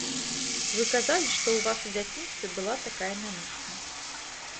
Вы казалі, што ў вас у дзяцінстве была такая мянушка.